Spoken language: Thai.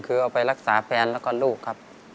คือเอาไปรักษาแฟนแล้วก็ลูกครับ